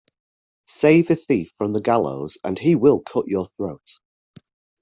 Save a thief from the gallows and he will cut your throat.